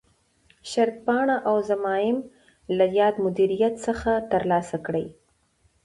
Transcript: شرطپاڼه او ضمایم له یاد مدیریت څخه ترلاسه کړي.